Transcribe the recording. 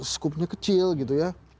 skupnya kecil gitu ya